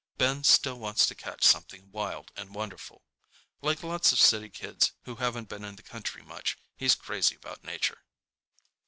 Ben still wants to catch something wild and wonderful. Like lots of city kids who haven't been in the country much, he's crazy about nature.